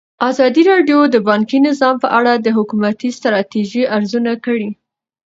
ازادي راډیو د بانکي نظام په اړه د حکومتي ستراتیژۍ ارزونه کړې.